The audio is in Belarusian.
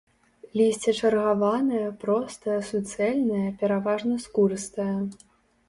Лісце чаргаванае, простае, суцэльнае, пераважна скурыстае.